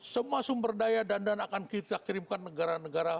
semua sumber daya dandan akan kita kirimkan negara negara